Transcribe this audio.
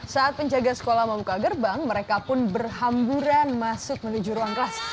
saat penjaga sekolah membuka gerbang mereka pun berhamburan masuk menuju ruang kelas